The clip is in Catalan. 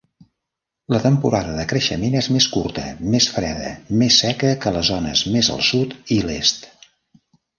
La temporada de creixement és més curta, més freda, més seca que les zones més al sud i l'est.